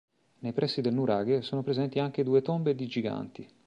Nei pressi del nuraghe sono presenti anche due tombe di giganti.